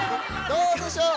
◆どうでしょう？